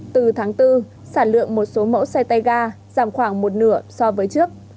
từ tháng bốn sản lượng một số mẫu xe tay ga giảm khoảng một nửa so với trước